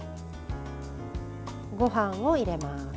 ごはんを入れます。